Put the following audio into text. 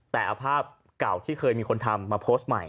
แต่เอาภาพเก่าที่เคยมีคนทำมาโพสต์ใหม่